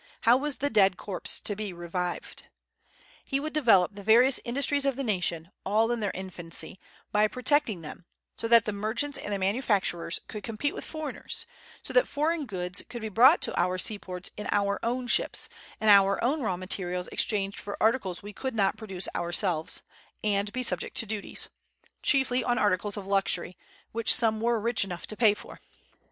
How was the dead corpse to be revived? He would develop the various industries of the nation, all in their infancy, by protecting them, so that the merchants and the manufacturers could compete with foreigners; so that foreign goods could be brought to our seaports in our own ships, and our own raw materials exchanged for articles we could not produce ourselves, and be subject to duties, chiefly on articles of luxury, which some were rich enough to pay for.